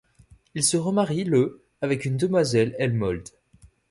Il se remarie le avec une demoiselle Hellemold.